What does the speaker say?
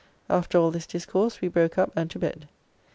After all this discourse we broke up and to bed.